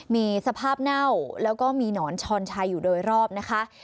มีสภาพเน่าแล้วก็มีหนอนชอนชัยอยู่โดยรอบนะคะ